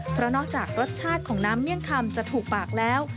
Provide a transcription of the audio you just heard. เพราะนอกจากรสชาติของน้ำเมี่ยงคำจะถูกปากแล้ว